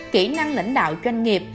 kỹ năng lãnh đạo doanh nghiệp